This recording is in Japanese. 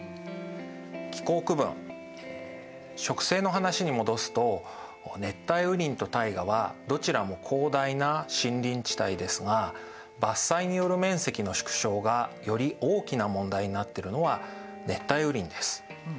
気候区分植生の話に戻すと熱帯雨林とタイガはどちらも広大な森林地帯ですが伐採による面積の縮小がより大きな問題になっているのは熱帯雨林です。